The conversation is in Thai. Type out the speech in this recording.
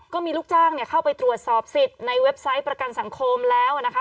ก็มีลูกจ้างเข้าไปตรวจสอบสิทธิ์ในเว็บไซต์ประกันสังคมแล้วนะคะ